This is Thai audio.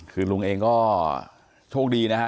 คือลุงเองก็โชคดีนะฮะ